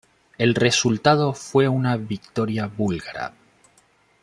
El resultado fue una victoria búlgara.